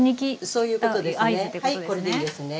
そういうことですね。